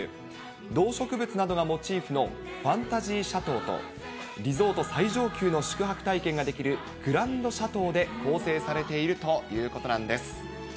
動植物などがモチーフのファンタジーシャトーと、リゾート最上級の宿泊体験ができるグランドシャトーで構成されているということなんです。